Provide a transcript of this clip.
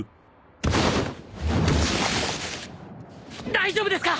大丈夫ですか！